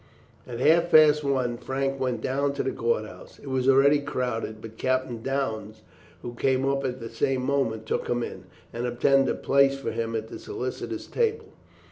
At half past one Frank went down to the court house. It was already crowded, but Captain Downes, who came up at the same moment, took him in, and obtained a place for him at the solicitors' table.